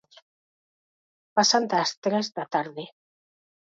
Pasan das tres da tarde.